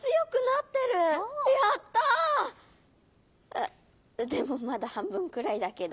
あっでもまだはんぶんくらいだけど。